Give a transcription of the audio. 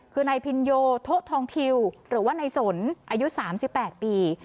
คือนายพินโยโทะทองทิวหรือว่านายสนอายุ๓๘ปี